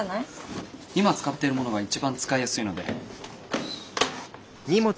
今使ってるものが一番使いやすいので。